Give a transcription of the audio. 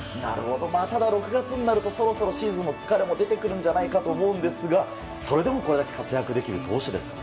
ただ、６月になるとそろそろシーズンの疲れも出てくると思いますがそれでもこれだけ活躍できる投手ですか？